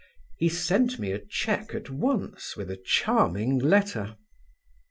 He sent me a cheque at once with a charming letter.